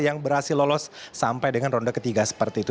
yang berhasil lolos sampai dengan ronde ketiga seperti itu